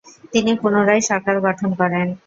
তিনি পুনরায় সরকার গঠন করেন।